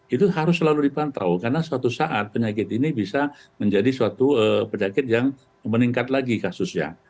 itu harus selalu dipantau karena suatu saat penyakit ini bisa menjadi suatu penyakit yang meningkat lagi kasusnya